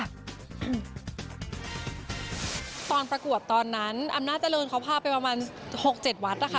ตอนประกวดตอนนั้นอำนาจริงเขาพาไปประมาณ๖๗วัดนะคะ